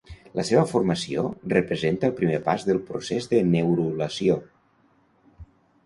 La seva formació representa el primer pas del procés de neurulació.